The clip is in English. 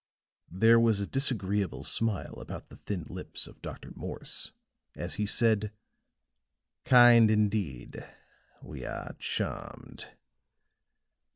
There was a disagreeable smile about the thin lips of Dr. Morse as he said: "Kind, indeed. We are charmed."